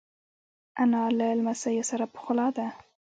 انا له لمسیو سره پخلا ده